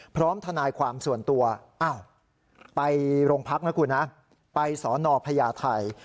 พร้อมทนายความส่วนตัวอ้าวไปโรงพักนะคุณนะไปสอนอพญาไทย